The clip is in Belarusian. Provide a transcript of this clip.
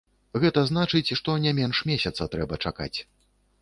Гэта значыць, што не менш месяца трэба чакаць.